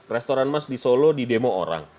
restoran mas di solo didemo orang